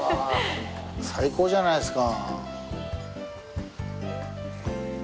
最高じゃないですか。